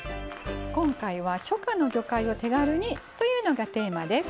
今回は「初夏の魚介を手軽に」というのがテーマです。